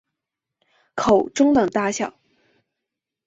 口中等大小。